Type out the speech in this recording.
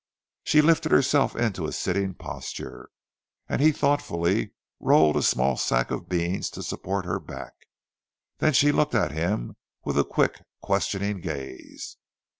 She lifted herself into a sitting posture, and he thoughtfully rolled a small sack of beans to support her back, then she looked at him with a quick questioning gaze.